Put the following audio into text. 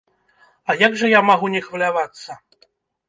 А як жа я магу не хвалявацца?